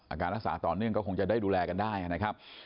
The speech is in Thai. อาการรักษาต่อเนื่องก็คงจะได้ดูแลกันได้นะครับ